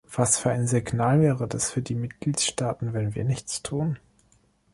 Was für ein Signal wäre das für die Mitgliedstaaten, wenn wir nichts tun?